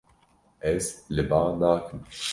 Ez li ba nakim.